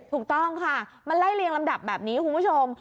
ถูกต้องค่ะมันไล่เรียงลำดับแบบนี้คุณผู้ชม